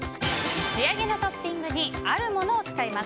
仕上げのトッピングにあるものを使います。